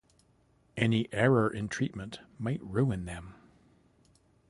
Any error in treatment might ruin them.